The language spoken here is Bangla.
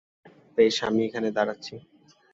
বেশ, আমি এখানে দাঁড়াচ্ছি।